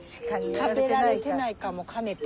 食べられてないかもかねて。